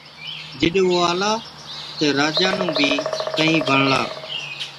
جِڏ او آلا تہ راجا نُون بِي ڪهِين بڻلا۔